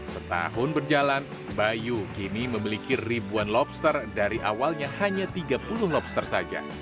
setahun berjalan bayu kini memiliki ribuan lobster dari awalnya hanya tiga puluh lobster saja